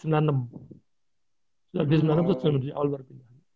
dari sembilan puluh enam ke sembilan puluh tujuh awal berarti